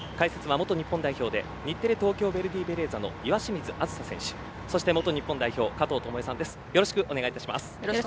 解説は元日テレ・東京ヴェルディベレーザの岩清水梓選手そして元日本代表加藤與惠さんです。